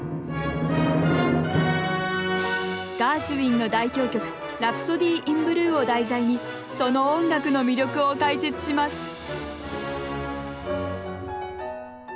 ガーシュウィンの代表曲「ラプソディー・イン・ブルー」を題材にその音楽の魅力を解説します